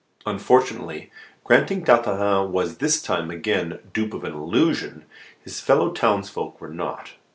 Unfortunately, granting Tartarin was this time again dupe of an illusion, his fellow townsfolk were not.